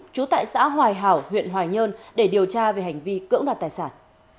chú tại xã hoài hảo huyện hoài nhơn để điều tra về hành vi cưỡng đặt tài sản